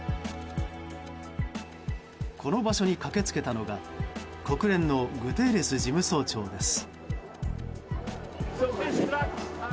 この場所に駆けつけたのが国連のグテーレス事務総長です。